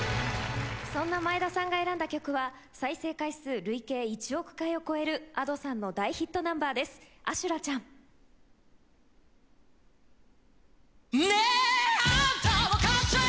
そんな前田さんが選んだ曲は再生回数累計１億回を超える Ａｄｏ さんの大ヒットナンバーです。おい！